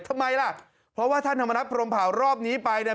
ทำไมล่ะเพราะว่าท่านธรรมนัฐพรมเผารอบนี้ไปเนี่ย